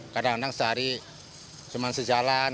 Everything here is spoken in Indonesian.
kadang kadang sehari cuma sejalan